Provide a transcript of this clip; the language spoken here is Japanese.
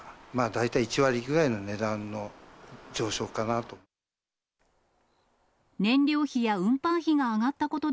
大体、１割ぐらいの値段の上昇かなと。